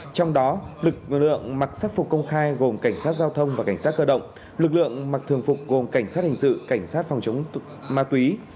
trong đó lực lượng mặc sắc phục công khai gồm cảnh sát giao thông và cảnh sát cơ động lực lượng mặc thường phục gồm cảnh sát hình sự cảnh sát phòng chống ma túy